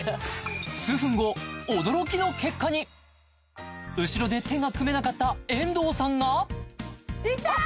数分後驚きの結果に後ろで手が組めなかった遠藤さんがいったー！